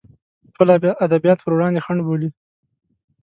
ټول ادبیات پر وړاندې خنډ بولي.